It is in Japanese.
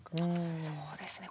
そうですね。